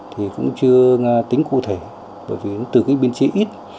thì cũng chưa tính cụ thể bởi vì từ cái biên chế ít